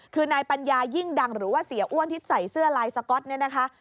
คือนายปัญญายิ่งดังหรือว่าเสียอ้วนที่ใส่เสื้อลายสก๊อตเนี่ยนะคะ